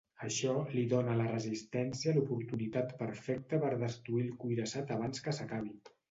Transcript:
Això li dóna a la resistència l'oportunitat perfecta per destruir el Cuirassat abans que s'acabi.